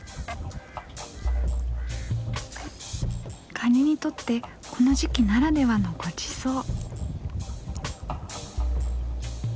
カニにとってこの時期ならではのごちそう。